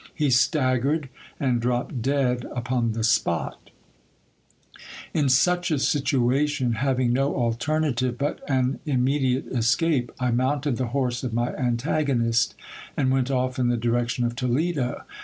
He stag gered, and dropped dead upon the spot In such a situation, having no alter native but an immediate escape, I mounted the horse of my antagonist, and went off in the direction of Toledo.